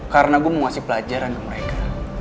karena gue mau ngasih pelajaran ke mereka